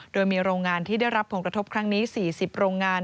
โดยมีโรงงานที่ได้รับผลกระทบครั้งนี้๔๐โรงงาน